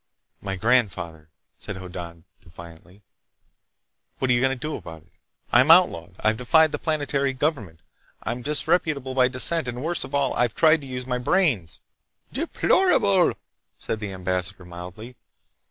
"My grandfather," said Hoddan defiantly. "What are you going to do about it? I'm outlawed! I've defied the planetary government! I'm disreputable by descent, and worst of all I've tried to use my brains!" "Deplorable!" said the ambassador mildly.